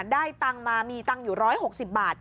ได้ตังค์มามีตังค์อยู่๑๖๐บาท